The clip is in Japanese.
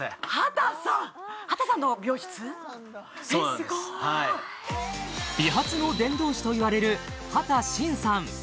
すごい美髪の伝道師といわれる波多晋さん